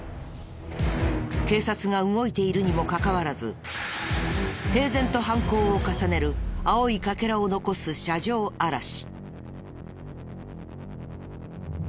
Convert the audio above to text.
警察が動いているにもかかわらず平然と犯行を重ねる青い欠片を残す車上荒らし。